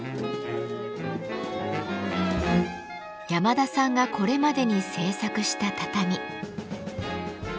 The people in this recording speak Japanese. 山田さんがこれまでに制作した畳。